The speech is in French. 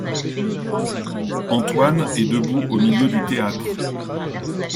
Antoine est debout au milieu du théâtre.